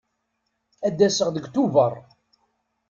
Ad d-aseɣ deg Tubeṛ.